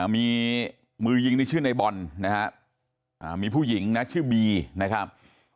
มีมือยิงนี่ชื่อในบอลนะฮะมีผู้หญิงนะชื่อบีนะครับ